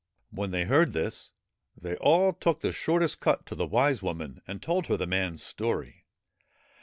When they heard this they all took the shortest cut to the Wise Woman, and told her the man's story.